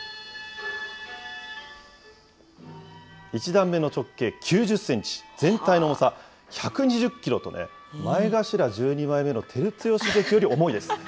１段目の直径９０センチ、全体の重さ１２０キロとね、前頭１２枚目の照強関より重いです。